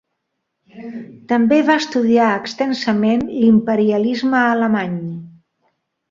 També va estudiar extensament l'imperialisme alemany.